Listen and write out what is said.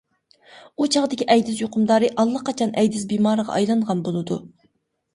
بۇ چاغدىكى ئەيدىز يۇقۇمدارى ئاللىقاچان ئەيدىز بىمارىغا ئايلانغان بولىدۇ.